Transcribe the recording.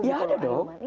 ya ada dong